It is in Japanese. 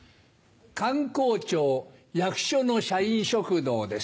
官公庁役所の社員食堂です。